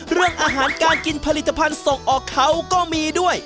เรื่องอาหารการกินผลิตภัณฑ์ส่งออกเขาก็มีด้วย